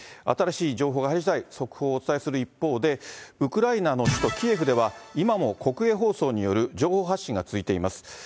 新しい情報が入りしだい、速報をお伝えする一方で、ウクライナの首都キエフでは、今も国営放送による情報発信が続いています。